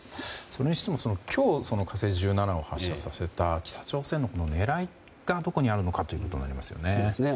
それにしても今日「火星１７」を発射させた北朝鮮の狙いはどこにあるのかになりますね。